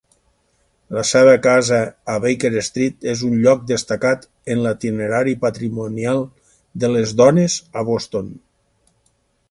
La seva casa a Baker Street és un lloc destacat en l'Itinerari Patrimonial de les Dones a Boston.